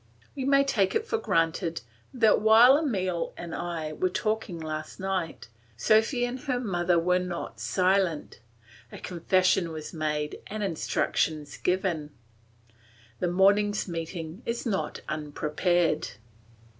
We may take it for granted that while Emile and I were talking last night, Sophy and her mother were not silent; a confession was made and instructions given. The morning's meeting is not unprepared.